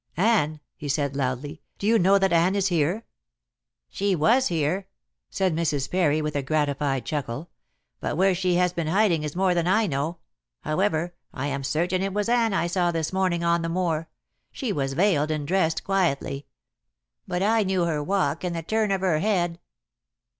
"Anne," he said loudly, "do you know that Anne is here?" "She was here," said Mrs. Parry, with a gratified chuckle; "but where she has been hiding is more than I know. However, I am certain it was Anne I saw this morning on the moor. She was veiled and dressed quietly; but I knew her walk and the turn of her head."